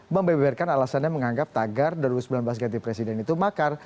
membeberkan alasannya menganggap tagar dua ribu sembilan belas ganti presiden itu makar